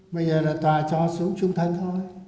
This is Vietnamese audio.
bây giờ là tòa cho xuống trung thân thôi